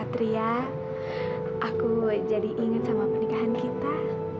kamu ingat sama pernikahan kita